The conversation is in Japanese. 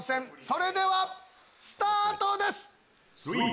それではスタートです！